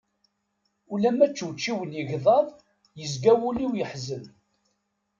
Ulamma ččewčiwen yegḍaḍ, yezga wul-iw yeḥzen.